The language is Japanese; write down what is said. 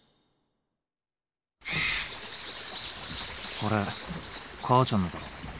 これ母ちゃんのだろ？